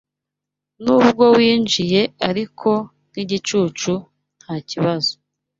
Nubwo winjiye ariko nkigicucu ntakibazo